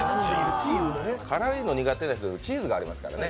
からいの苦手な人でもチーズがありますからね。